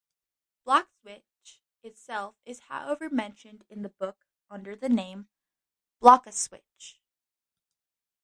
Bloxwich itself is however mentioned in this book under the name 'Blockeswich'.